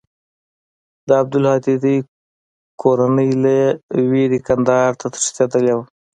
د عبدالهادي دوى کورنۍ له وېرې کندهار ته تښتېدلې وه.